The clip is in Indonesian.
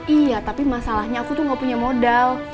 iya tapi masalahnya aku tuh gak punya modal